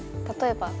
例えば？